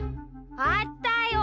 あったよ！